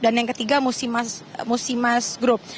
dan yang ketiga musimas group